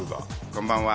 こんばんは。